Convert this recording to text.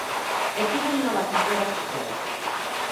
E piden novas melloras sociais.